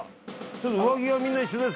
ちょっと。